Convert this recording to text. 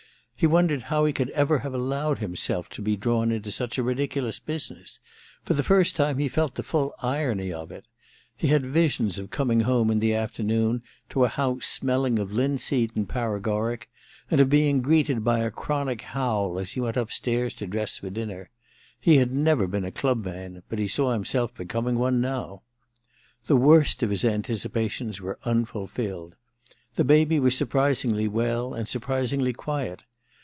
He wondered how he could ever have allowed himself to be drawn into such a ridicidous business ; for the first time he felt the full irony of it. He had visions of coming home in the afternoon to a house smelling of linseed and paregoric, and of being greeted by a chronic howl as he went upst^rs to dress for dinner. He had never been a dub man, but he saw himself becoming one now. The worst of his anticipations were unful filled. The baby was surprisingly well and surprisingly quiet.